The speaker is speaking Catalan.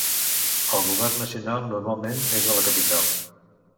El govern nacional normalment és a la capital.